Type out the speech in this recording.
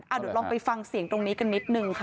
เดี๋ยวลองไปฟังเสียงตรงนี้กันนิดนึงค่ะ